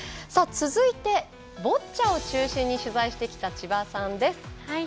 続いてボッチャを中心に取材してきた千葉さんです。